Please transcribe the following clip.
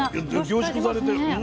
凝縮されてる。